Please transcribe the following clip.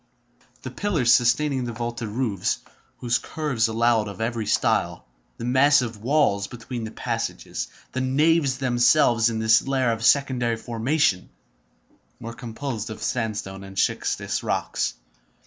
The pillars sustaining the vaulted roofs, whose curves allowed of every style, the massive walls between the passages, the naves themselves in this layer of secondary formation, were composed of sandstone and schistous rocks.